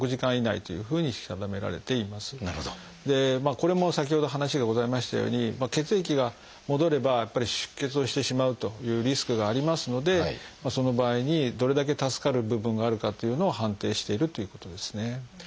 これも先ほど話がございましたように血液が戻ればやっぱり出血をしてしまうというリスクがありますのでその場合にどれだけ助かる部分があるかというのを判定しているっていうことですね。